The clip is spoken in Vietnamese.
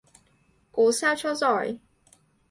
cố sao cho giỏi